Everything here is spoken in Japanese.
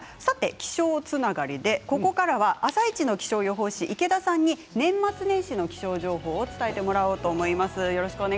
気象つながりで、ここからは「あさイチ」の気象予報士池田さんに年末年始の気象情報を伝えてもらおうと思います。